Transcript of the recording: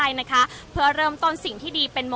อาจจะออกมาใช้สิทธิ์กันแล้วก็จะอยู่ยาวถึงในข้ามคืนนี้เลยนะคะ